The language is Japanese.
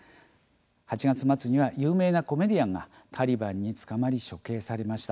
８月末には有名なコメディアンがタリバンに捕まり処刑されました。